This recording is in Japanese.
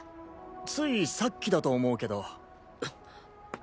ついさっきだと思うけど。